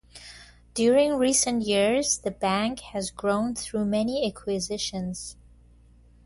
During recent years, the bank has grown through many acquisitions.